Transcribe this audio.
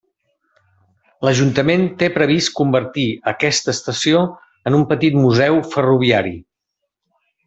L'ajuntament té previst convertir aquesta estació en un petit museu ferroviari.